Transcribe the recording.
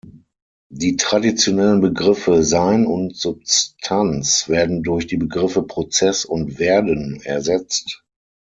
Die traditionellen Begriffe Sein und Substanz werden durch die Begriffe Prozess und Werden ersetzt.